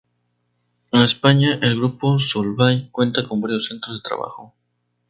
En España, el grupo Solvay cuenta con varios centros de trabajo.